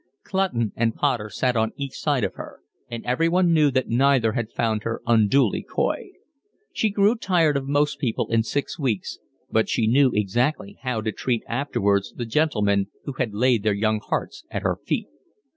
Clutton and Potter sat on each side of her, and everyone knew that neither had found her unduly coy. She grew tired of most people in six weeks, but she knew exactly how to treat afterwards the gentlemen who had laid their young hearts at her feet.